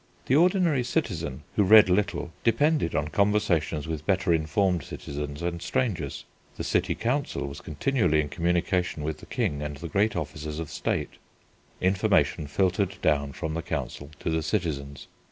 The ordinary citizen, who read little, depended on conversations with better informed citizens and strangers. The city council was continually in communication with the King and the great officers of State: information filtered down from the council to the citizens.